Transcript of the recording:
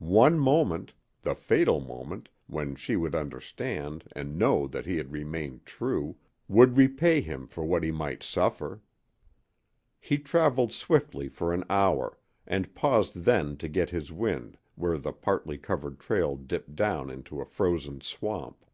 One moment the fatal moment, when she would understand and know that he had remained true would repay him for what he might suffer. He traveled swiftly for an hour, and paused then to get his wind where the partly covered trail dipped down into a frozen swamp.